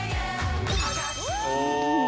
お！